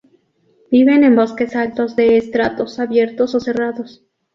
Viven en bosques altos de estratos abiertos o cerrados.